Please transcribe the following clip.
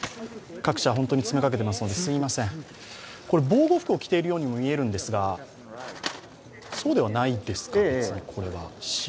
防護服を着ているようにも見えるんですが、そうではないですか？